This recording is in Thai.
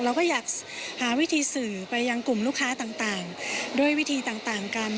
เราก็อยากหาวิธีสื่อไปยังกลุ่มลูกค้าต่างด้วยวิธีต่างกัน